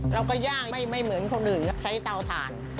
ย่างไม่เหมือนคนอื่นใช้เตาถ่าน